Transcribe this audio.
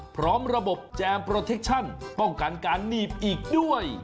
พร้อมระบบแจมโปรเทคชั่นป้องกันการหนีบอีกด้วย